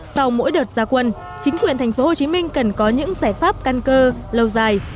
sau mỗi đợt gia quân chính quyền tp hcm cần có những giải pháp căn cơ lâu dài